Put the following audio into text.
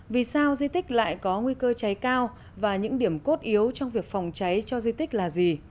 vì sao di tích lại có nguy cơ cháy cao và những điểm cốt yếu trong việc phòng cháy cho di tích là gì